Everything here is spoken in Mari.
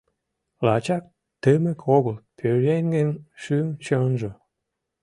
Лачак тымык огыл пӧръеҥын шӱм-чонжо.